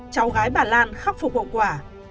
cháu gái bà lan khắc phục hậu quả